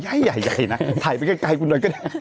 เราก็ไยนะถ่ายไปใกล้กูหน่อยก็ได้